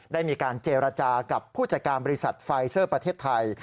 ได้มีการเจรจากับผู้จัดการบริษัทไฟเซอร์ประเทศไทย